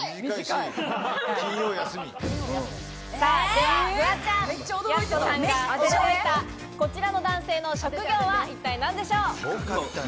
ではフワちゃん、やす子さんが驚いたこちらの男性の職業は一体何でしょう？